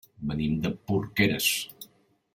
Venim de Porqueres.